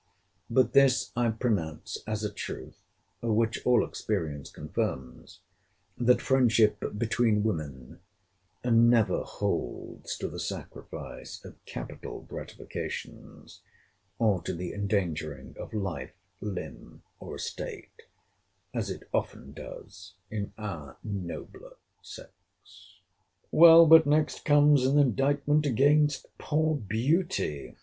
But this I pronounce, as a truth, which all experience confirms, that friendship between women never holds to the sacrifice of capital gratifications, or to the endangering of life, limb, or estate, as it often does in our nobler sex. Well, but next comes an indictment against poor beauty!